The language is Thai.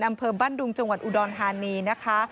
อำเภอบ้านดุงจังหวัดอุดรธานีนะคะ